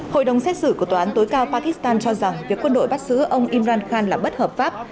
hội đồng xét xử của tòa án tối cao pakistan cho rằng việc quân đội bắt giữ ông imran khan là bất hợp pháp